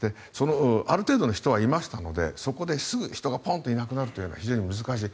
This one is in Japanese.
ある程度の人はいましたのでそこですぐに人がポンといなくなるというのは非常に難しい。